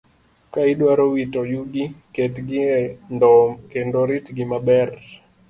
Ka idwaro wito yugi, ketgi e ndowo kendo ritgi maber.